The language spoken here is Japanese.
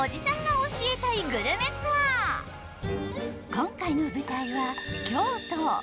今回の舞台は京都。